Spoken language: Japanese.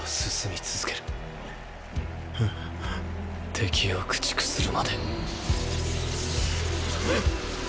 敵を駆逐するまで。！！